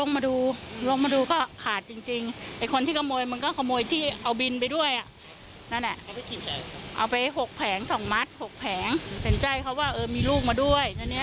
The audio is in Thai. งานจะติดวันนี้ใส่ลูกไปด้วยอย่างนี้